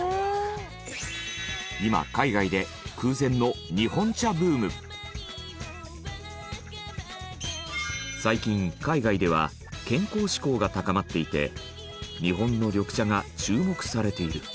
今最近海外では健康志向が高まっていて日本の緑茶が注目されている。